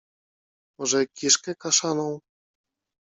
Może kiszkę kaszaną?